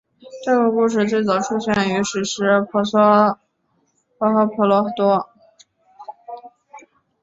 这个故事最早出现于史诗摩诃婆罗多。